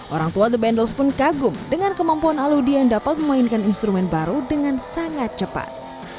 orang tua the bundles pun kagum dengan kemampuan aludi yang dapat memainkan instrumen baru dengan sangat cepat